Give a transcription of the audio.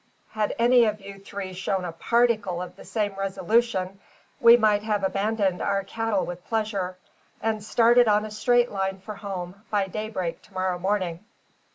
had any of you three shown a particle of the same resolution, we might have abandoned our cattle with pleasure, and started on a straight line for home by daybreak to morrow morning."